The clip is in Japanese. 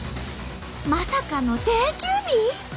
まさかの定休日！？